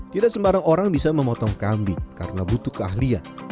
tidak sembarang orang bisa memotong kambing karena butuh keahlian